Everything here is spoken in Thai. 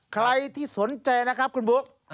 ใครที่สนใจนะครับคุณบุ๊ค